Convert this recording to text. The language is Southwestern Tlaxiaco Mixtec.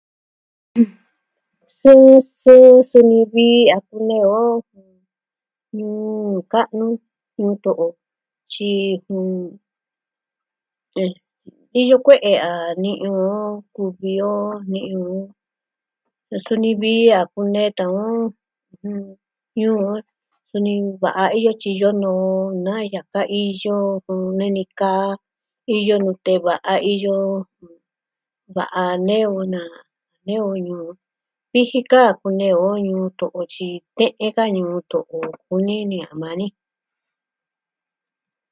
Sɨɨn, sɨɨn, suni vi a kunee o, ñuu ka'nu tun to'o, tyi, jɨn, este... iyo kue'e a ni'i o kuvi o neyu o. Jen suni vi a kunee to'o, jɨn... iyo o... suni, va'a iyo tyi iyo noo na yaka iyo nee ni ka iyo nute va'a, iyo va'a nee o na. nee o ñuu viji ka kunee o ñuu to'o tyi, te'e ka ñuu to'o kunee ni a maa ni.